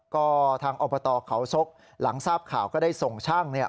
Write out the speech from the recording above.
ก็ทางอบตเขาซกหลังทราบข่าวก็ได้ส่งช่างเนี่ย